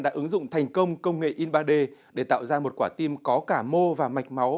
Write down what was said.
đã ứng dụng thành công công nghệ in ba d để tạo ra một quả tim có cả mô và mạch máu